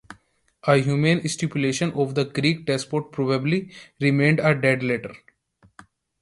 The humane stipulation of the Greek despot probably remained a dead letter.